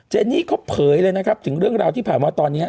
เนนี่เขาเผยเลยนะครับถึงเรื่องราวที่ผ่านมาตอนนี้